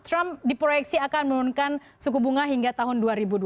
trump diproyeksi akan menurunkan suku bunga hingga tahun dua ribu dua puluh